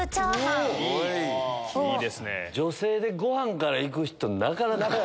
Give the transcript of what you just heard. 女性でご飯から行く人なかなか。